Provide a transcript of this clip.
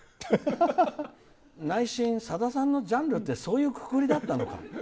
内心、さださんのジャンルってそういうくくりだったのか。